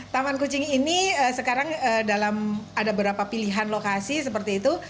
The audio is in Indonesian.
taman kucing ini sekarang dalam ada beberapa pilihan lokasi seperti itu